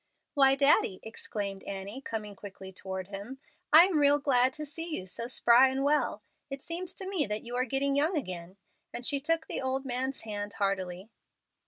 "Why, Daddy," exclaimed Annie, coming quickly toward him. "I am real glad to see you so spry and well. It seems to me that you are getting young again;" and she shook the old man's hand heartily.